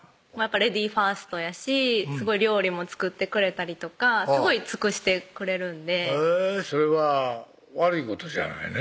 レディーファーストやし料理も作ってくれたりとかすごい尽くしてくれるんでへぇそれは悪いことじゃないね